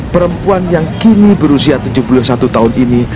perempuan yang kini berusia tujuh puluh satu tahun ini